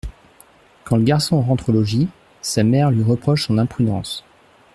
Quand le garçon rentre au logis, sa mère lui reproche son imprudence.